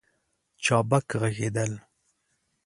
چابک ږغېدل